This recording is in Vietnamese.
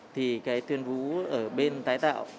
thì cái tuyến vú ở bên tái tạo